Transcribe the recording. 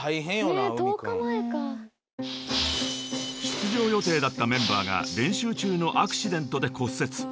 ［出場予定だったメンバーが練習中のアクシデントで骨折］